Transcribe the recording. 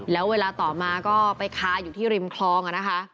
แล้วเวลาต่อมาก็ไปคาอยู่ที่ริมคลองนะคะ